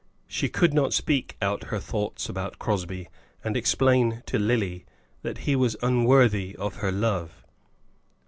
She could not speak out her thoughts about Crosbie, and explain to Lily that he was unworthy of her love.